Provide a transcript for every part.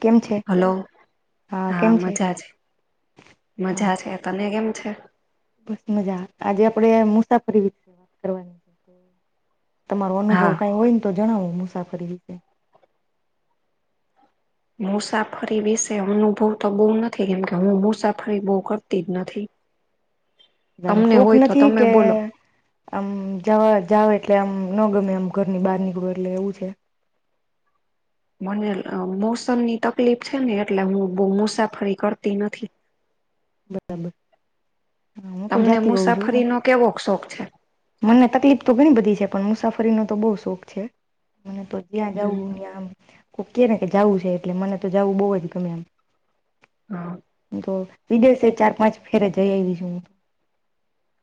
કેમ છે હલો હા મજા છે હા મજા છે તને કેમ છે. બસ મજા આજે આપડે મુસાફરી વિશે વાત કરવાની છે તો તમારો અનુભવ હા કઈ હોય ને તો જણાવો મુસાફરી વિશે મુસાફરી વિશે અનુભવ તો બહુ નથી કેમકે હું મુસાફરી બહ કરતી જ નથી એમ તમને સુખ હોય તો નથી તમે કે બોલો આમવા જાઓ એટલે આમ ન ગમે આમ ઘરની બહાર નીકળો એટલે એવું છે. મને મોસમ ની તકલીફ છે ને એટલે હું બહ મુસાફરી કરતી નથી. બરાબર હું તો તમને જાતી હોઉ છું મુસાફરીનોો કેવો શોખ છે. મને તકલીફ તો ઘણી બધી છે પણ મુસાફરીનોો તો બહુ શોખ છે મને તો જ્યાં જવું ત્યાં આમ કોક કે ને કે જું છે એટલે મને તો જું બહુ જ ગમે એમ હા હ તો વિદેશ ચાર પાંચ ફેરે જઈ આવીશું હું?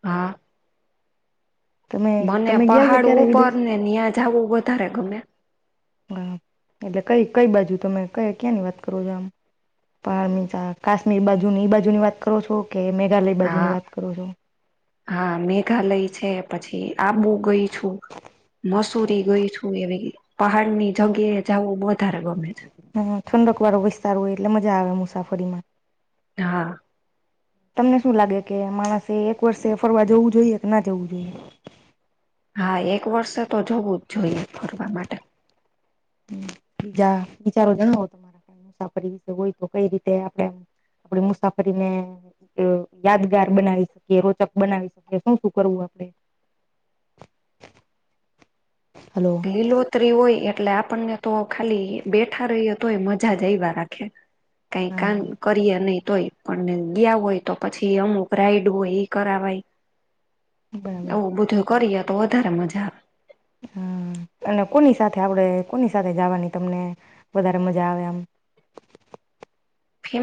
હા તમે મને તમે ગયા છો પહાડ ક્યારે વિદેશ ઉપર ને ન્યા જું વધારે ગમે હ એટલે કઈ કઈ બાજુ તમે ક ક્યાં ની વાત કરો છો આમ પણ મીા કાશ્મીર બાજુ ની એઈ બાજુની વાત કરો છો કે મેઘાલય બાજુ ની હા વાત કરો છો. હા મેઘાલય છે પછી આબુ ગઈ છું. મસૂરી ગઈ છું એવી પહાડ ની જગ્યાએ જવું વધારે ગમે છે. હા ઠંડક વાળો વિસ્તાર હોય એટલે મજા આવે મુસાફરીમાં. હા તમને શું લાગે કે માણસે એક વર્ષે ફરવા જવું જોઈએ કે ના જવું જોઈએ? હા એક વર્ષે તો જવું જ જોઈએ ફરવા માટે. હમ બીજા વિચારો જણાવો તમારા કાઈ મુસાફરી વિશે હોય તો કઈ રીતે આપડે આમ. આપડી મુસાફરી ને યાદગાર બનાવી શકીએ, રોચક બનાવી શકીએ, શું શું કરવું આપડે? હલો લીલોતરી હોય એટલે આપણને તો ખાલી બેઠા રહીએ તોય મજા જ આયવા રાખે. કાઈ હા કામ કરીએ નહી તોય. અને ગયા હોઈ તો પછી અમુક રાઈડ હોય ઈ કરાવાય. બરાબર આવું બધું કરીએ તો વધારે મજા આવ હમ અને કોની સાથે આપડે કોની સાથે જાવાની તમને વધારે મજા આવે આમ?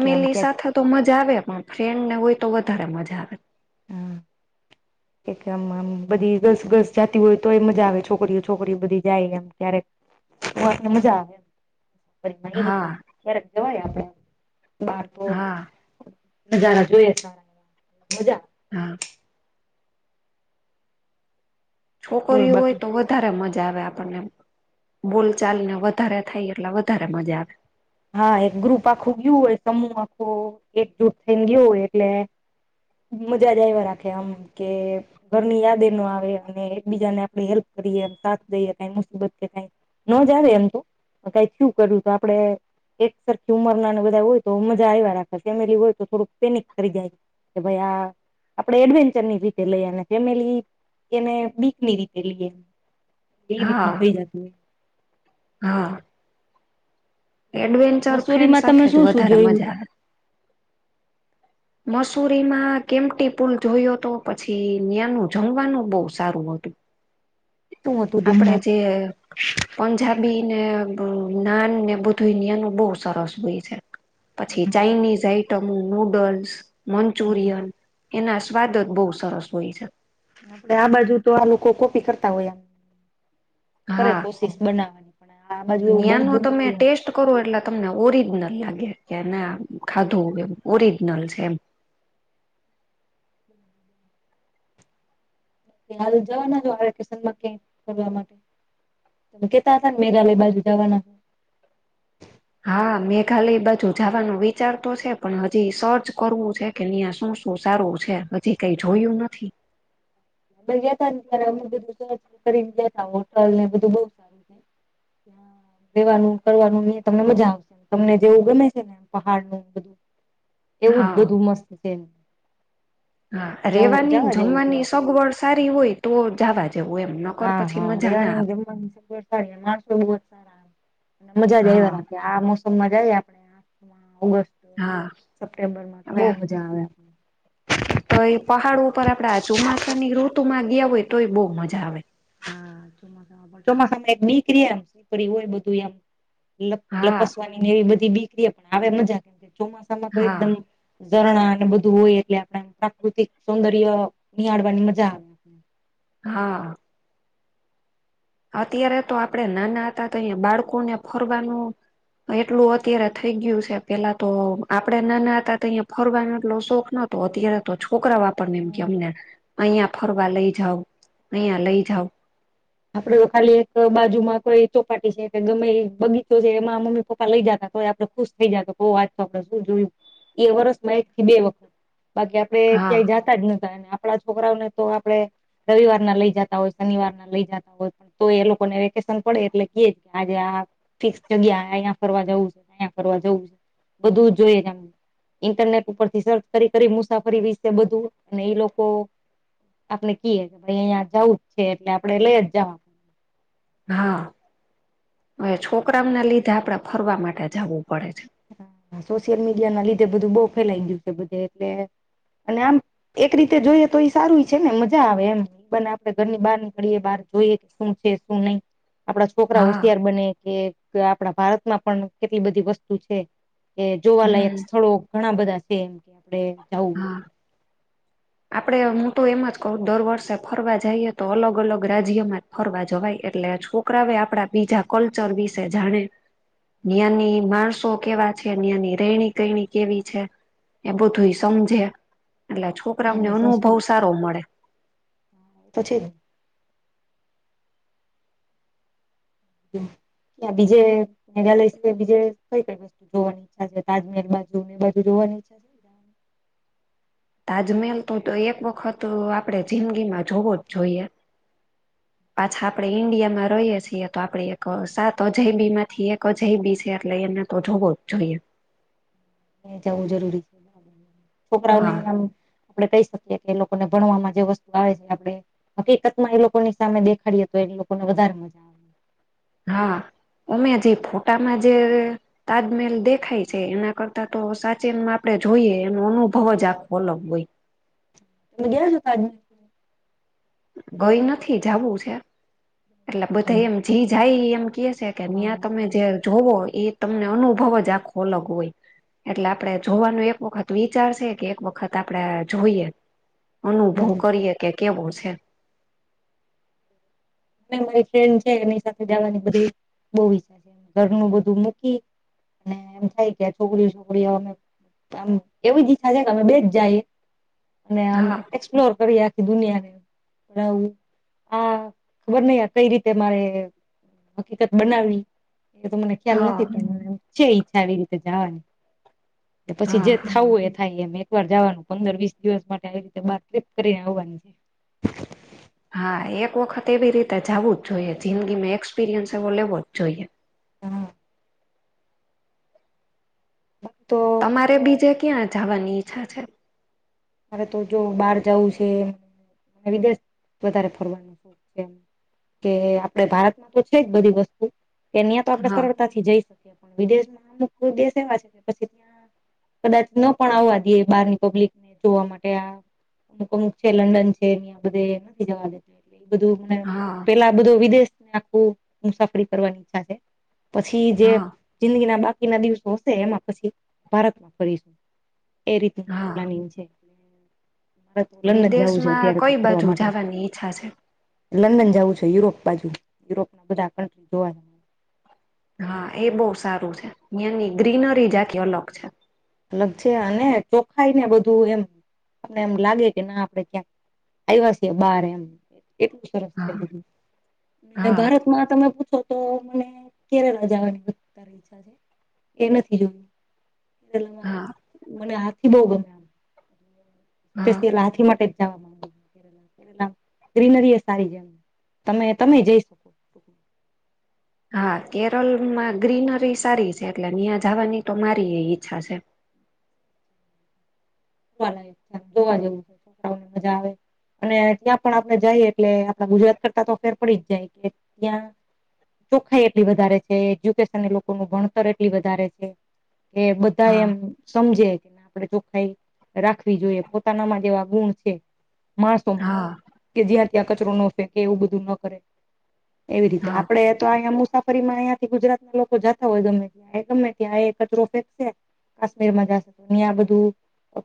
કે આમ સાથે તો મજા આવે પણ ફ્રેન્ડ ને હોય તો વધારે મજા આવે. હમ એટલે આમ આમ બધી ગર્લ્સ ગર્લ્સ જાતી હોય તોય મજા આવે છોકરીઓ છોકરીઓ બધી જાય એમ ક્યારેક? હહ એટલે મજા આવે એમ. હા રીતે ક્યારેક જવાય આપણે બાળકો હા નજારા જોઈએ સારા એમ મજા. હા બોલ છોકરીઓ હોય બાકી તો વધ વધારે મજા આવે આપણને એમ. બોલ ચાલને વધારે થાય એટલે વધારે મજા આવે. હા એક ગ્રુપ આખું ગયું હોય સમૂહ આખો એકજૂટ થઈને ગયો હોય એટલે મજા જ આયવા રાખે આમ કે ઘરની યાદ એ નો આવે. અને એકબીજાને આપણે હેલ્પ કરીએ સાથ દઈએ કાઈ મુસીબત કે કાઈ નો જ આવે એમ તો. પણ કાઈ થયું કર્યું તો આપણે એક સરખી ઉંમરના ને બધા હોય તો મજા આવ્યા રાખે. ફેમિલી હોય તો થોડુંક પેનિક કરી જાય. કે ભાઈ આ આપણેે એડવેન્ચરની રીતે લઈ એને ફેમિલી એને બીકની રીતે લઈએ એમ. ઈ હા રીતનું થઈ જાતું હોય. હા એડવેન્ચર ફ્રેન્ડ મસૂરીમાં તમે સાથે જ શું શું વધારે જોયું મજા છે આવે. મસૂરીમાં કેમટી પુલ જોયો તો પછી ન્યાનું જમવાનું બહુ સારું હતું. શું હતું આપણે જમવામાં જે પંજાબીને નાન ને બધું ન્યાનું બહુ સરસ હોય છે. પછી ચાઈનીઝ આઈટમું નુડલ્સ, મંચુરિયન. એના સ્વાદ જ બહુ સરસ હોય છે. આપડે આ બાજુ તો આ લોકો કોપી કરતા હોય આમ કરે હા કોશિશ બનાવાની. પણ આ બાજુ એવું ન્યાનો બનતું તમે નથી એમ. ટેસ્ટ કરો એટલે તમને ઓરિજનલ લાગે કે ના ખાધું એમ ઓરિજનલ છે એમ. કે હાલ જવાના છો આ વેકેશનમાં ક્યાંય ફરવા માટે? તમે કેતા હતા ને મેઘાલય બાજુ જાવાના હો. હા મેઘાલય બાજુ જાવાનો વિચાર તો છે પણ હજી સર્ચ કરવું છે. કે ન્યા શું શું સારું છે. હજી કાઈ જોયું નથી. અમે ગયાતા ને ત્યારે અમે બધું સર્ચ કરીને ગ્યાતા હોટલને બધું બહુ સારું છે. કે હા રેવાનું ને કરવાનું ને એ તમને મજા આવશે આમ તમને જેવું ગમે છે ને પહાડને એવું બધું. એવું જ હા બધું મસ્ત છે એમ. હા જવું રેવાનીને, જવા જેવું છે એમ જમવાની સગવડ સારી હોય તો જાવા જેવું એમ. નકર હા પછી હા મજા ના રેવાની જમવાની સગવડ માણસો બ જ સારા મજા આવે જ હા [unintelligible] આવી આપણે આ ઓગસ્ટ હા સપ્ટેમ્બર માં તો હવે બહુ મજા આવે. એક તો એ પહાડો ઉપર આપડા ચોમાસા ની ઋતુ માં ગયા હોય તો એ બહુ મજા આવે. હા ચોસા ચોમાસામાં એક બીકરી એમપરી હોય બધું એમ હા લપસ, ની ને એવી બધી બીકરી પણ આવે મજા કેમ કે ચોમાસામાં તો હા એકદમ ઝરણા અને બધું હોય એટલે આપ પ્રાકૃતિક સૌંદર્ય નિહાળવાની મજા આવે. હાં. અત્યારે તો આપડે નાના હતા તો અહીયા બાળકોને ફરવાનું એટલું અત્યારે થઈ ગયું છે પેલા તો આપડે નાના હતા તો અહીયા ફરવાનો એટલો શોખ ન તો અત્યારે તો છોકરા વાપરને એમ હમ્મ. કેમને અહિયા ફરવા લઈ જાવ અયા લઈ જાવ. આપડે ખાલી એક બાજુમાં કોઈ ચોપાટી છે કે ગમે એ બગીચો છે એમાં મમ્મી પપ્પા લઈ જતાય આપડે ખુશ. થઈ જતો તો આજ તો આપડણે શું જોયું એ વર્ષમાં એક થી બે વખત બાકી આપડે હા ક્યાંય જાત આપણા છોકરાઓને તો આપડે રવિવાર ના લઈ જતા હોય શનિવાર ના લઈ જતા. તો એ લોકોને વેકેશન પડે એટલે કે કે આજે આ ફિક્સ જગ્યા અહીંયા ફરવા જવું છે અંયા ફર જવું છે બધું જ જોઈએ તમને. ઇન્ટરનેટ ઉપર થી સર્ચ કરી કરી મુસાફરી વિ બધું અને એ લોકો આપણે કએ કે અહીંયા જવું જ છે એટલે આપડે લઈ જ જવાનું. હા હવે છોકરામને લીધે આપડડા ફરવા માટે જવું પડે છે. સોશિયલ મીડિયા ના લીધે બધું બહઉ ફેલાય ગયું છે બધે એટલે અને આમ એક રીતે જોઈએ તો એ સારું છે ને મજા આવે એમ. બને આપડે ઘરની બહાર નીકળએ બહાર જોઈએ કે શું છે શું નહી. આપણા છોકરા હા હોશિયાર બને કે આપણા ભારતમાં પણ કેટલી બધી વસ્તુ છે. કે જોવાલાયક હમ સ્થળો ઘણા બધા છે એમ કે આપડે જવું હા આપડે હું તો એમ જ કહ દર વર્ષે ફરવા જઈએ તો અલગ અલગ રાજ્યમાં જ ફરવા જવાય એટલે છોકરા આપડા બીજા કલ્ચર વિશે જાણે. ની માણસો કેવા છે નીયાની રહેેણી કરણી કેવી છે. એ બધું સમજે એટલે છોકરાઓને ત્યાંની અનુભવ સારો મળે. તોછી યા બીજે મેઘાલય છે બીજે કઈ ક જોવાની ઈચ્છા છે તાજમહેલ બાજુ ને એ બાજુ જોવાની ઈચ્છા છે. તાજમહેલ તો એક વખત આપણેે જિંદગી માં જોવો જ જોઈએ. [inaudible] પાછા આપડે ઈન્ડિયામાં રહીએ છીએ તો આપડે એક સાત અજાયબી માંથી એક અજાયબી છે એટલે એને તો જોવો જોઈએ. જવું જરૂરી છે છોકરાઓને હા આમ આપણે કહી શકીએ કે એ લોકોને ભણવામાં જે વસ્તુ આવે છે આપણે. હકીકત માં એ લોકો ની સામે દેખાડીએ તો એ લોકોને વધારે મજા આવે. હા અમે જે ફોટામાં જે તાજમેહેલ દેખાય છે એના કરતાં તો સાચેનમાં આપડે જોઈએ એનો અનુભવ જ આખો અલગ હોય. તમે ગેલા છો તાજમહેલ ગઈ નથી જાવું છે એટલે બધા એમ જી જાય એમ કે છે. કે હા અહિયાં તમે જે જોવો એ તમને અનુભવ જ આખો અલગ હોય. એટલે આપડે જોવાનું એક વખત વિચાર છે કે એક વખત આપડે જોઈએ. અનુભવ બરાબર કરીએ કે કેવો છે. અને મારી ફ્રેન્ડ છે એની સાથે જવાની બધી બહુ ઈચ્છા છે ઘરનું બધું મૂકી અને એમ થાય કે છોકરીઓ છોકરીઓ અમે આમ એવી જ ઈચ્છા છે કે અમે બેજ જઈએ. અને આમ હા એક્સપ્લોર કરી આખી દુનિયાને [unintelligible] આ ખબર નહીં આ કઈ રીતે મારે હકીકત બનાવીવી એ મને ખ્યાલ હા નથી પણ છે ઈચ્છા આવી રીતે જવાની પછી હા જે હા થાવું એ થાય એ. એક વાર જાવાનું પંદર વીસ દિવસ માટે આવી રીતે બાર ટ્રેપ કરીને આવવાની છે હા એક વખત એવી રીતે જવું જ જોઈએ જિંદગીમાં એક્સપિરિયન્સ એવો લેવો જ જોઈએ. હા. તો મારે બીજે ક્યાં જવાની ઈચ્છા છે? મારે તો જો બહાર જવું છે વિદેશ વધારે ફરવાનો શોખ છે. કે આપડે ભારતમાં તો છે જ બધી વસ્તુ કે અહીયાં તો આપડણે હા સરળતાથી જઈ પણ વિદેશ માં અમુ કોઈ દેશ એવા છે કે પછી ત્યાં કદાચ ન પણ આવવા દેએ બારની પબ્લિક જોવા માટે આ અમુક અમુક છે લંડન છે બધે નથી જવા દેતા એ એ બધું મને હા પેલા બધું વિદેશને આખું મુસાફરી કરવાની ઈચ્છા છે. પછી જે હા જિંદગી ના બાકીના દિવસો હશે એમાં પછી ભારતમાં ફરીશું એ રીત મારું હા પ્લાનિંગ છે. મારે તો લંડન જવું છે વિદેશમાં અત્યારે તો કઈ ફરવા બાજુ માટે જવાની ઈચ્છા છે લંડન જવું છે યુરોપ બાજુ યુરોપ ના બધા કન્ટ્રી જોવાના હા એ બહુ સારું છે ની ગ્રીનરી જ આખી અલગ છે. અલગ છે અને ચોખાઈ ને બધું એમ આપને એમ લાગે કે ના આપડે ક્યાંક આવ્યા છે બાર એમ એટલું સરસ છે હા બધુ હા ભા એમ તમે પૂછો તો મને કેરેલા જવા ની અતારે ઈચ્છા છે એ નથી જો પેલામાં હા મને હાથી થી બહુ ગમે તો હા સ હાથી માટે જવા નુ ગ્રીનરી એ સારી જેમ તમે તમે જઈ શકો હા કેરળમાં ગ્રીનરી સારી છે એટલે ન્યાં જવાની તો મારી એ ઈચ્છા છે. વા જોવા જેવું છે છોકરાઓને મજા આવે. અને ત્યાં પણ આપડણે જઈએ એટલે આપણા ગુજરાત કરતા તો ફેર પડી જ જાય કે ત્યાં. ચોખાઈ એટલી વધારે છે, એજ્યુકેશન લોકો નુ ભણતર એટલી વધારે છે. કે બધા હા એમ સમજે કે આપડે ચોખાઈ રાખવી જોઈએ પોતાનામાં જેવા ગુણ છે માણસોમાં હા કે જ્યાં ત્યાં કચરો ન ફેંકે એવું બધું ન કરે. એવી રીતે હા આપડે તો અહીંયા મુસાફરી માં અં થી ગુજરાત ના લોકો જતા હોય ગમે ત એ ગમે ત્યાં એ કચરો ફેંકશે કાશ્મીર માં જશે તો અ આ બધું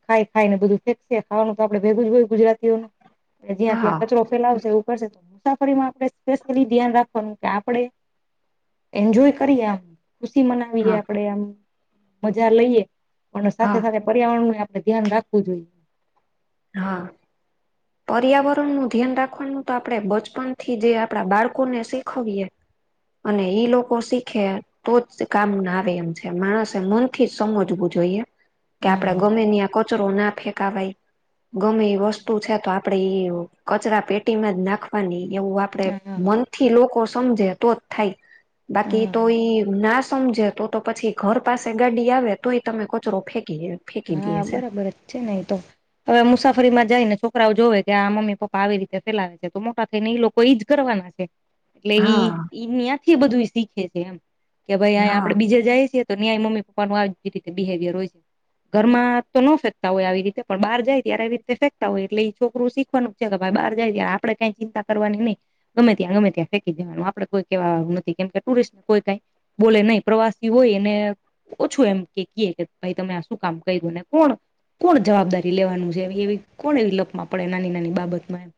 ખાઈ ખાઈ ને બધું ફેંકશે ખવાનું તો આપણે ભેગું જ હોય ગુજરાતીઓને જ્યાં ત્યાં હા કચરો ફેલાવશે એવું કરશે તો મુસાફરીમાં આપણે સ્પેશિયલી ધ્યાન રાખવાનું કે આપણે એન્જોય કરી આ. ખુશી મનાવીએ હા આપડે આમ મજા લઈએ પણ હા સાથે સાથે પર્યાવરણ. ધ્યાન રાખવું જોઈએ. હા. પર્યાવરણ નું ધ્યાન રાખવાનું તો આપણેે બચપનથી જે આપણા બાળકોને શીખવીએ. અને ઈ લોકો શીખે. તો જ કામ ના આવે એમ છે માણસે મનથી જ સમજવું જોઈએ. કે આપણેે હમ ગમે આ કચરો ના ફેંકાવાય ગમે એ વસ્તુ છે તો આપ પણેે એ કચરા પેટીમાં જ નાખવાની એવું આપડે હા મન થી લોકો સમજે તો જ થાય. બાકી હા. તો ઈ ના સમજે તો તો પછી ઘર પાસે ગાડી આવે તો એ તમે કચરો ફેંકી દે ફેંકી હા છે બરાબર જ છે નહી તો હવે મુસાફરી માં જઈ ને છોકરાઓ જોવે કે આ મમ્મી પપ્પા આવી રીતે ફેલાવે છે તો મોટા થઈને ઈ લોકો ઈજ કરવાના છે. એટલે ઈ હા ત્યાંથી બધું શીખે છે એમ કે ભાઈ આ હા આપડે બીજા જાય છે. તો ન્યાય મમ્મીપ્પાનું જ રી બિહેવિયર હોય છે. ઘર માં તો ન ફેંકતા હોય આવી રીતે પણ બહાર જાય ત્યારે આવી રીતે ફેંકતા હોય એટલે એ છોકરું શીખવાનું. કે ભાઈ બાર જાય છેાય આપણે કઈ ચિંતા કરવાની નઈ. ગમે ત્યાં ગમે ત્યાં ફેંકી જવાનું આપણે કોઈ કેવા નથી કેમ કે ટુિસ્ટને કોઈ કઈ બોલે નહી પ્રવાસી હોય એને ઓછું એમ કે ક કે ભાઈ તમે શું કામ કર્યું ને કોણ કોણ જવાબદારી લેવાનું છે એવી કોણ એવી લપમાં પડે નાની નાની બાબતમાં એમ.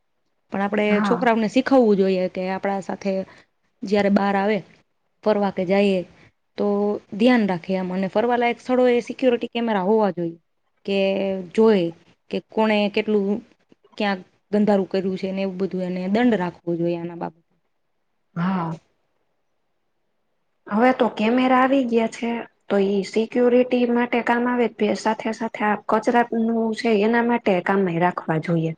પણ આપણે હા છોકરાઓને શીખવવું જોઈએ કે આપણા સાથે જયારે બાર આવે ફરવા કે જઈએ તો ધ્યાન રાખે આમ અને ફરવાલા એક સ્થળો એ સિક્યોરિટી કેમેરા હોવા જોઈએ કે જોય કે કોને કેટલું ક્યાંક ગંધારું કર્યું છે ને એવું બધું એને દંડ રાખવો જોઈએ આના બાબત- હા હવે તો કેમેરા આવી ગયા છે. તો ઈ સિક્યોરિટી માટે કામ આવે જ સાથે સાથે આ કચરા નું છે એના માટે કમે રાખવા જોઈએ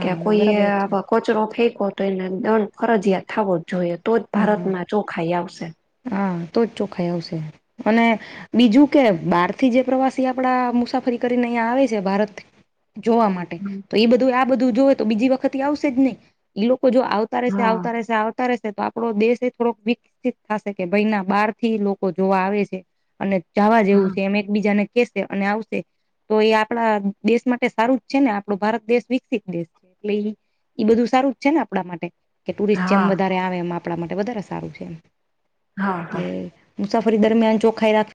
કે કોઈ બરાબર જ છે કચરો ફેંકો તો એને દંડ ફરજયાત થવો જ જોઈએ તો જ હા ભારતમાં ચોખાઈ આવશે. હા તો જ ચોખાઈ આવશે અને બીજું કે બાર થી જે પ્રવાસી આપડા મુસાફરી કરીને અહંયા આવે છે ભારત જોવા માટે હમ તો એ બધું આ બધું જોવે તો બીજી વખત આવશે જ નહી લોકો જો આવતા રહેશે હા આવતા રહેશે આવ રહેશે તો આપડો દેશ એ થોડોક વિકસિત થશે. કે ભાઈ ના બાર થી લોકો જોવા આવે છે અને જવા જેવું હા. છે એમે એકબીજાને કેશે અને આવશે. તો એ આપણા દેશ માટે સારું જ છે ને આપણો ભારત દેશ વિકસિત દેશ છે એટલે એ બધું સારું જ છે ને આપણા માટે કે ટુરિસ્ટ હા જેમ વધારે આવે એમ આપણા માટે વધારે સારું છે એમ. હા હા. એટલે મુસાફરી દરમિયાન ચોખાઈ રાખ